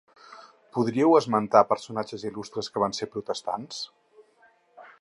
Podríeu esmentar personatges il·lustres que van ser protestants?